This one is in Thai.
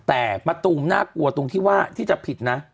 แต่มะตูมน่ากลัวตรงที่ว่าที่จะผิดนะ